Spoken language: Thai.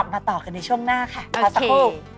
กลับมาต่อกันในช่วงหน้าค่ะเดี๋ยวสักครู่